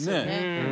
うん。